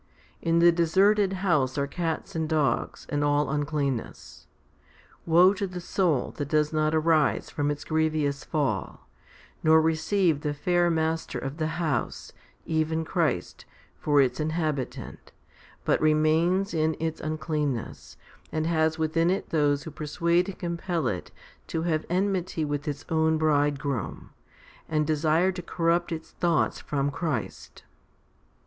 1 In the deserted house are cats and dogs, and all uncleanness. Woe to the soul that does not arise from its grievous fall, nor receive the fair Master of the house, even Christ, for its inhabitant, but remains in its uncleanness, and has within it those who persuade and compel it to have enmity with its own Bridegroom, and desire to corrupt its thoughts from Christ.